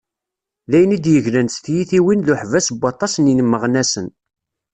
D ayen i d-yeglan s tyitiwin d uḥbas n waṭas n yimeɣnasen.